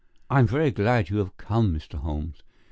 "I'm very glad you have come, Mr. Holmes.